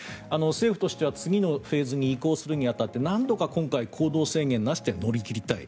政府としては次のフェーズに移行するに当たってなんとか今回行動制限なしで乗り切りたい。